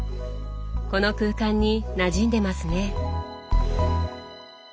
この空間になじんでますね。